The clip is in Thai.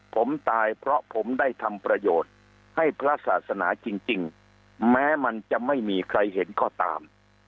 ผมตายเพราะผมได้ทำประโยชน์ให้พระศาสนาจริงแม้มันจะไม่มีใครเห็นก็ตาม